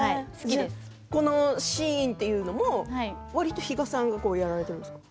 このシーンというのもわりと比嘉さんがやられているんですか。